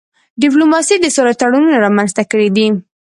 ډيپلوماسي د سولې تړونونه رامنځته کړي دي.